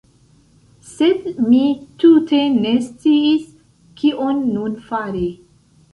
Sed mi tute ne sciis, kion nun fari.